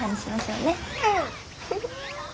うん。